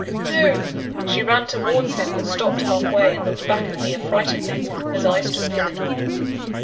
no!" She ran towards him; but stopped halfway, and looked back at me affrightedly, as I stood near the door.